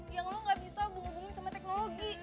yang lo gak bisa menghubungin sama teknologi